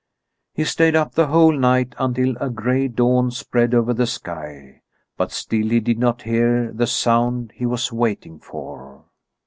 He stayed up the whole night, until a gray dawn spread over the sky; but still he did not hear the sound he was waiting for.